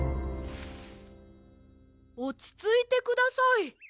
おちついてください。